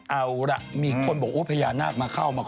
เอาล่ะมีคนบอกโอ้พญานาคมาเข้ามา